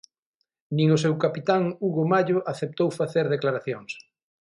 Nin o seu capitán Hugo Mallo aceptou facer declaracións.